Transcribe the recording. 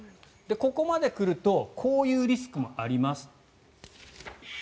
ここまで来るとこういうリスクもあります。